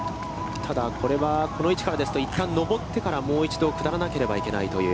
ただ、これは、この位置からですと、一旦上ってから、もう一度、下らなければいけないという。